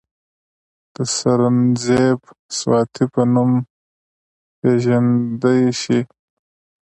د سرنزېب سواتي پۀ نوم پ ېژندے شي،